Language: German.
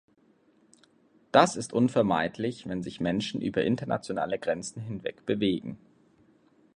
Das ist unvermeidlich, wenn sich Menschen über internationale Grenzen hinweg bewegen.